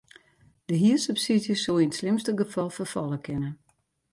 De hiersubsydzje soe yn it slimste gefal ferfalle kinne.